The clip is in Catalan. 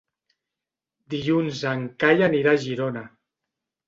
Dilluns en Cai anirà a Girona.